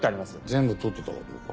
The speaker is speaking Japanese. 全部撮ってたかどうか。